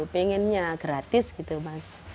pengennya gratis gitu mas